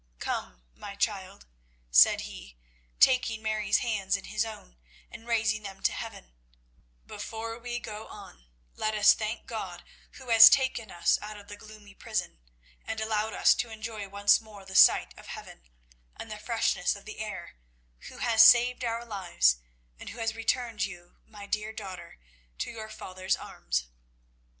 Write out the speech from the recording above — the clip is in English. "Come, my child," said he, taking Mary's hands in his own and raising them to heaven, "before we go on let us thank God who has taken us out of the gloomy prison, and allowed us to enjoy once more the sight of heaven and the freshness of the air; who has saved our lives, and who has returned you, my dear daughter, to your father's arms."